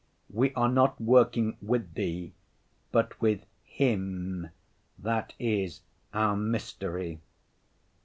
We are not working with Thee, but with him—that is our mystery.